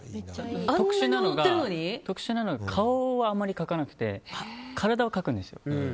特殊なのが顔はあまりかかなくて体はかくんですよ。